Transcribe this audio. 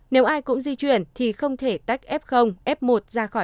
nếu ai cũng di chuyển thì không thể tách f f một ra khỏi